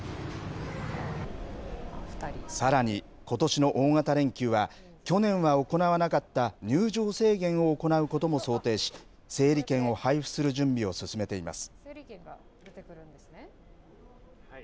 さらに、ことしの大型連休は去年は行わなかった入場制限を行うことも想定し整理券を配布する準備を進めています。